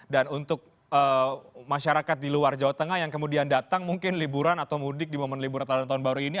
dan untuk masyarakat di luar jawa tengah yang kemudian datang mungkin liburan atau mudik di momen liburat tahun baru ini